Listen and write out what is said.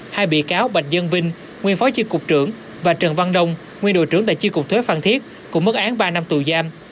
hai bị cáo bạch dân vinh nguyên phó chiên cục trưởng và trần văn đông nguyên đội trưởng tại chiên cục thuế phan thiết cũng mất án ba năm tù giam